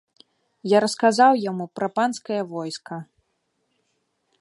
Я расказаў яму пра панскае войска.